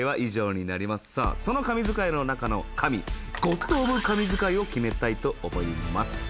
その神図解の中の神ゴッド・オブ・神図解を決めたいと思います。